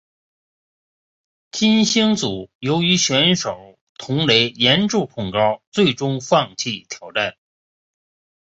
金星组由于选手董蕾严重恐高最终放弃挑战。